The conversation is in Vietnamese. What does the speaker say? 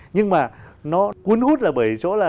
nhưng mà nó cuốn út là bởi chỗ là